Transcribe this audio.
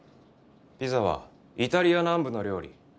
ピザはイタリア南部の料理